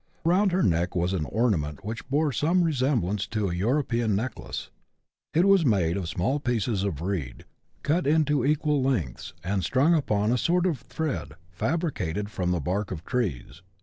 Round her neck was an ornament which bore some resemblance to an European necklace ; it was made of small pieces of reed, cut into equal lengths, and strung upon a sort of thread fabricated from the bark of trees.